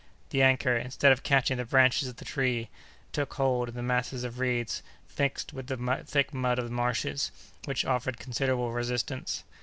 The anchor, instead of catching the branches of the tree, took hold in the masses of reeds mixed with the thick mud of the marshes, which offered considerable resistance.